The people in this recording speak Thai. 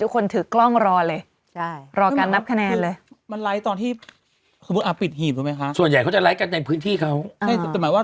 คุณจะไปสังเกตการณ์เยอะถึงวันนี้ทุกคนน่